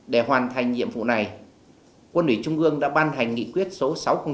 để hoàn thành nhiệm vụ này quân ủy trung ương đã ban hành nghị quyết số sáu trăm linh tám